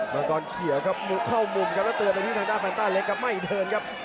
บังกอดเขียวครับเข้ามุมครับแล้วเติบไปที่แฟนต้าเล็กครับไม่เดินครับ